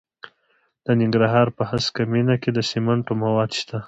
د ننګرهار په هسکه مینه کې د سمنټو مواد شته.